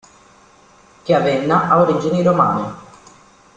Chiavenna ha origini romane.